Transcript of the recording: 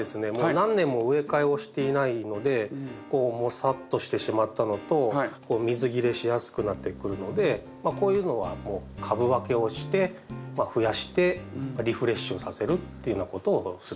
何年も植え替えをしていないのでもさっとしてしまったのと水切れしやすくなってくるのでこういうのは株分けをして増やしてリフレッシュさせるっていうようなことをするんですね。